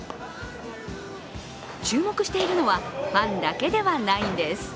注目しているのはファンだけではないんです。